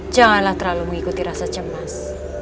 janganlah terlalu mengikuti rasa cemas